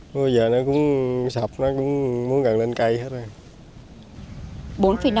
bây giờ nó cũng sập nó cũng muốn gần lên cây hết rồi